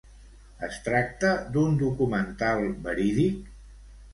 Es tracta d'un documental verídic?